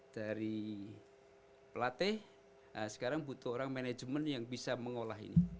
dari pelatih sekarang butuh orang manajemen yang bisa mengolah ini